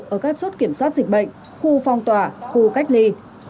ở các chốt kiểm soát dịch bệnh khu phong tỏa khu cách ly